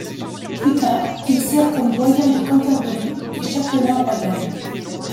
Plus tard, il sert comme doyen de Canterbury et chapelain royal.